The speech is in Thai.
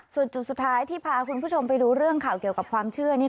ส่วนจุดสุดท้ายที่พาคุณผู้ชมไปดูเรื่องข่าวเกี่ยวกับความเชื่อนี่